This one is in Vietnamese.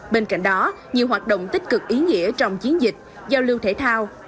bên cạnh đó nhiều hoạt động tích cực ý nghĩa trong chiến dịch giao lưu thể thao